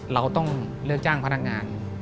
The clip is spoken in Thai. เราต้องเลือกจ้างพนักงาน